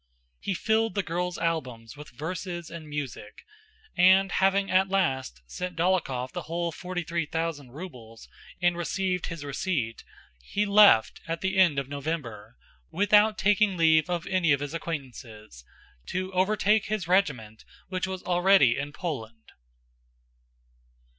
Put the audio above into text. He filled the girls' albums with verses and music, and having at last sent Dólokhov the whole forty three thousand rubles and received his receipt, he left at the end of November, without taking leave of any of his acquaintances, to overtake his regiment which was already in Poland.